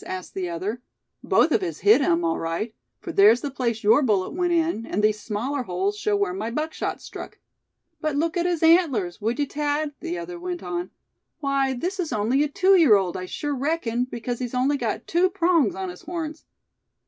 asked the other; "both of us hit him, all right; for there's the place your bullet went in; and these smaller holes show where my buckshot struck." "But look at his antlers, would you, Thad?" the other went on; "why, this is only a two year old, I sure reckon, because he's got only two prongs on his horns."